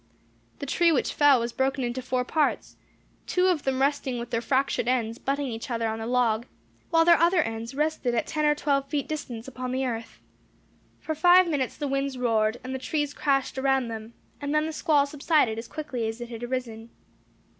The tree which fell was broken into four parts; two of them resting with their fractured ends butting each other on the log, while their other ends rested at ten or twelve feet distance upon the earth. For five minutes the winds roared, and the trees crashed around them; and then the squall subsided as quickly as it had arisen.